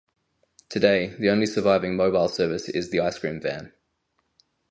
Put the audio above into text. Today, the only surviving mobile service is the 'ice cream van'.